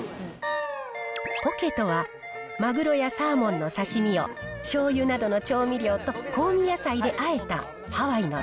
ポケとは、マグロやサーモンの刺身をしょうゆなどの調味料と香味野菜であえ